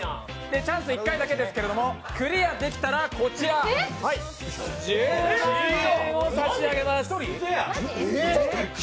チャンスは１回だけですけれどもクリアできたらこちら、１０万円を差し上げます。